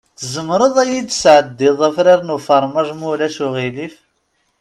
Tzemreḍ ad yi-d-tesɛeddiḍ afrar n ufermaj, ma ulac aɣilif?